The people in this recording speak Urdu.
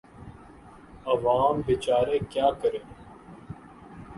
عوام بیچارے کیا کریں۔